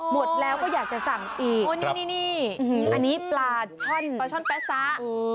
หมดแล้วก็อยากจะสั่งอีกอันนี้ปลาช่อนปลาช่อนแป๊ะซ้า